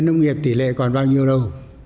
nông nghiệp tỷ lệ còn bao nhiêu đâu